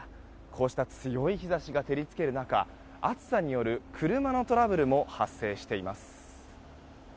こうした強い日差しが照り付ける中暑さによる車のトラブルも発生しています。